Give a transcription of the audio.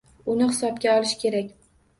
Uni hisobga olish kerak.